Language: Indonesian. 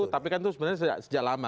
tapi kan itu sebenarnya sejak lama